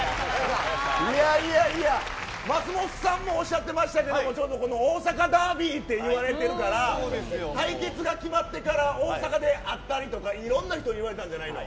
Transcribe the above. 松本さんもおっしゃってましたけど大阪ダービーって言われているから対決が決まってから大阪で会ったりとかいろんな人に言われたんじゃないの。